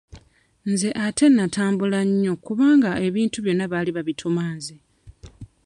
Nze ate nnatambula nnyo kubanga ebintu byonna baali babituma nze.